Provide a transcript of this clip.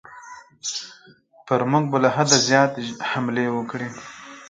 پر موږ به له حده زیاتې حملې وکړي.